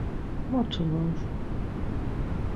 Mot ulur!